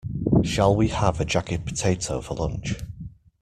Shall we have a jacket potato for lunch?